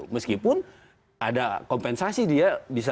meskipun ada kompensasi dia bisa